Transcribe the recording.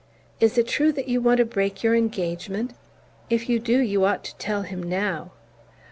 "Is it true that you want to break your engagement? If you do, you ought to tell him now."